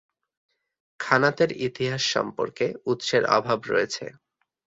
খানাতের ইতিহাস সম্পর্কে, উৎসের অভাব রয়েছে।